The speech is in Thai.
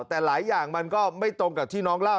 แต่หลายอย่างมันก็ไม่ตรงกับที่น้องเล่า